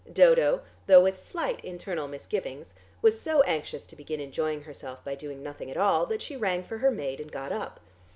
Dodo (though with slight internal misgivings) was so anxious to begin enjoying herself by doing nothing at all that she rang for her maid and got up.